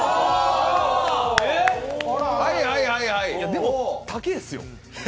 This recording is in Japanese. でも、高えですよ。